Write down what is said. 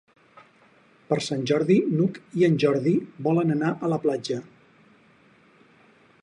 Per Sant Jordi n'Hug i en Jordi volen anar a la platja.